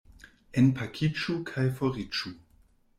Enpakiĝu kaj foriĝu.